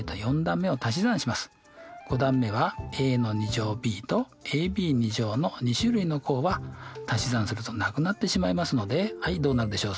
５段目はａｂとａｂの２種類の項は足し算するとなくなってしまいますのではいどうなるでしょう？